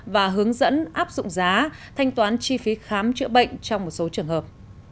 và hướng dẫn áp dụng giá thanh toán chi phí khám chữa bệnh trong một số trường hợp